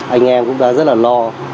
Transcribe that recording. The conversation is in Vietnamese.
anh em cũng đã rất là lo